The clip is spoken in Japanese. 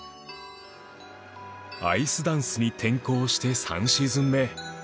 アイスダンスに転向して３シーズン目